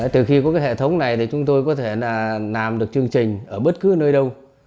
từ khi có hệ thống này thì chúng tôi có thể làm được chương trình ở bất cứ nơi đâu